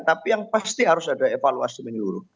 tapi yang pasti harus ada evaluasi menyeluruh